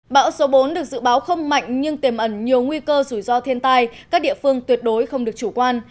bão số bốn được dự báo không mạnh nhưng tiềm ẩn nhiều nguy cơ rủi ro thiên tai các địa phương tuyệt đối không được chủ quan